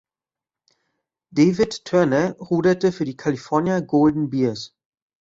David Turner ruderte für die California Golden Bears.